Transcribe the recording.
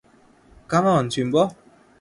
Come on, Jimbo.